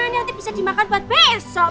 nanti bisa dimakan buat besok